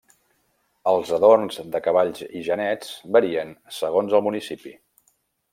Els adorns de cavalls i genets varien segons el municipi.